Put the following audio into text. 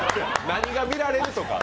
何が見られるとか。